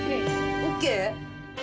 ＯＫ？